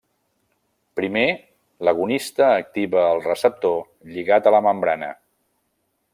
Primer, l'agonista activa el receptor lligat a la membrana.